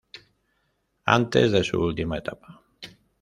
Antes de su última etapa.